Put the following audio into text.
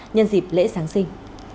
nhân dịp lễ sáng sinh